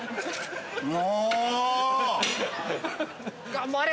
頑張れ！